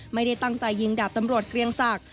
ไม่ได้ตั้งใจยิงดาบตำรวจเกรียงศักดิ